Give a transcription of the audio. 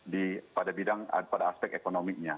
di pada bidang pada aspek ekonominya